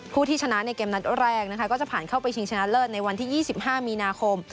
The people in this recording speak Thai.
ผู้ที่ชนะในเกมนัดแรกนะคะก็จะผ่านเข้าไปชิงชนะเลิศในวันที่๒๕มีนาคม